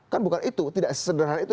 kan bukan itu tidak sesederhana itu